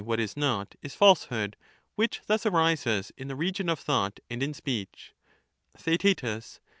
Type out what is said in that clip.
Sophist, what is not — is falsehood, which thus arises in the region of Stranger, thought and in speech. Theaetetus.